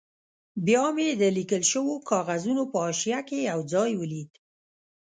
بیا مې د لیکل شوو کاغذونو په حاشیه کې یو ځای ولید.